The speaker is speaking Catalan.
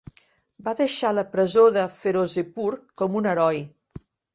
Va deixar la presó de Ferozepur com un heroi.